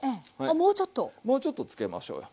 もうちょっとつけましょうよ。